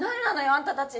あんたたち。